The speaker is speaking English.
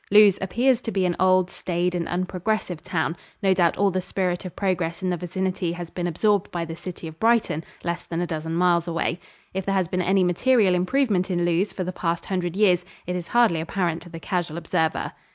Lewes appears to be an old, staid and unprogressive town. No doubt all the spirit of progress in the vicinity has been absorbed by the city of Brighton, less than a dozen miles away. If there has been any material improvement in Lewes for the past hundred years, it is hardly apparent to the casual observer.